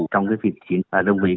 trong việc chuyển đồng viện